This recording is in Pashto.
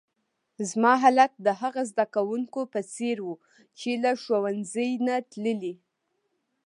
زما حالت د هغه زده کونکي په څېر وو، چي له ښوونځۍ نه تللی.